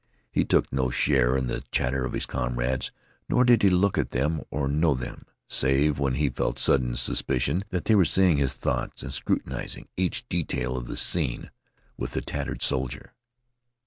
He took no share in the chatter of his comrades, nor did he look at them or know them, save when he felt sudden suspicion that they were seeing his thoughts and scrutinizing each detail of the scene with the tattered soldier.